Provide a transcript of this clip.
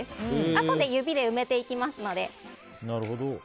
あとで指で埋めていきますので。